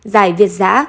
giải việt giã